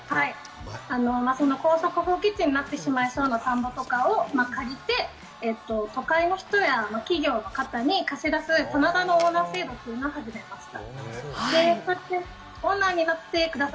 耕作放棄地になってしまうような田んぼを借りて都会の人や企業の方に貸し出す、棚田のオーナー制度というのを始めました。